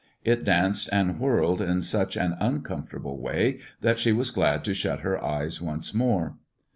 It danced and whirled in such an uncomfortable way that she was glad to shut her eyes once more.